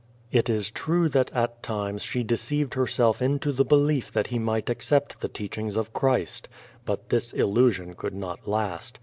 It is true that at times she deceived herself into the belief that he might accept the teachings of Christ. But this illu sion could not last.